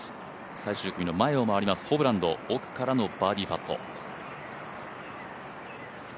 最終組の前を回りますホブランド奥からのバーディーパット。